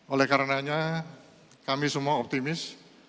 oleh karenanya kami semua optimis